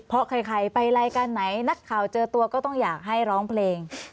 เพราะใครไปรายการไหนนักข่าวเจอตัวก็ต้องอยากให้ร้องเพลง